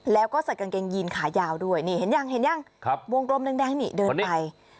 แล้วก็ใส่กางเกงยีนขายาวด้วยนี่เห็นยังเห็นยังวงกลมแดงนี่เดินไป